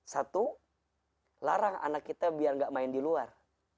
satu larang anak kita biar gak main di luar